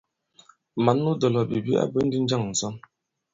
Mǎn nu dɔ̀lɔ̀bìbi a bwě ndi njâŋ ǹsɔn ?